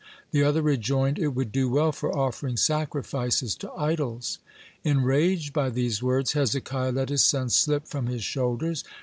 The other rejoined: "It would do well for offering sacrifices to idols." Enraged by these words, Hezekiah let his sons slip from his shoulders.